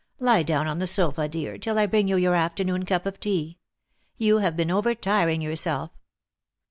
Lie down on the sofa, dear, till I bring you your afternoon cup of tea. You have been over tiring yourself."